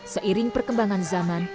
seiring perkembangan zaman